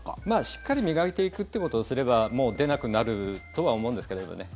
しっかり磨いていくということをすればもう出なくなるとは思うんですけれどね。